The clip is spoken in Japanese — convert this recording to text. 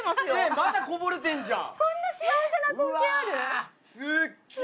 まだこぼれてんじゃん。